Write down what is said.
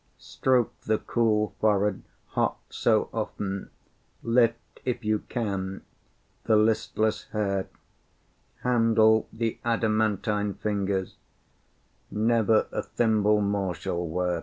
Stroke the cool forehead, hot so often, Lift, if you can, the listless hair; Handle the adamantine fingers Never a thimble more shall wear.